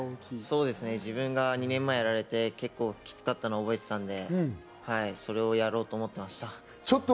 自分が２年前にやられて結構きつかったのを覚えていたので、それをやろうと思ってました。